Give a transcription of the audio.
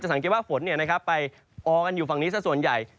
สังเกตว่าฝนไปออกันอยู่ฝั่งนี้สักส่วนใหญ่